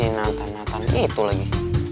ya jangan sih nathan nathan itu lagi